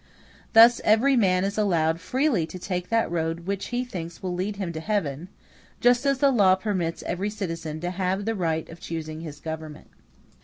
Thus every man is allowed freely to take that road which he thinks will lead him to heaven; just as the law permits every citizen to have the right of choosing his government.